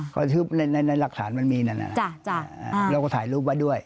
เขาชื่อในหลักฐานมันมีนั่นเราก็ถ่ายรูปไว้ด้วย